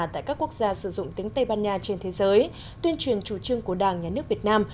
tại các quốc gia sử dụng tiếng tây ban nha trên thế giới tuyên truyền chủ trương của đảng nhà nước việt nam